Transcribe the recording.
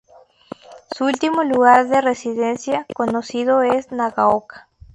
Su último lugar de residencia conocido es Nagaoka.